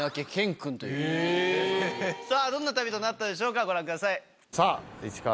さぁどんな旅となったでしょうかご覧ください。